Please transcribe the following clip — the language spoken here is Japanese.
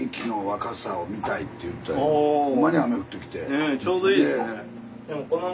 ねえちょうどいいですね。